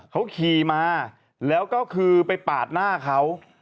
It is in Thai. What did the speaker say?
เขาขี่มาแล้วก็คือไปปาดหน้าเขา